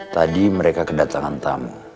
tadi mereka kedatangan tamu